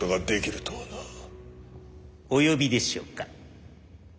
お呼びでしょうか。